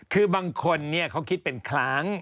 คือบางคนเขาคิดเป็นครั้ง